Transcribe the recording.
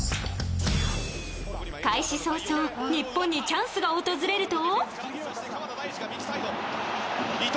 開始早々、日本にチャンスが訪れると。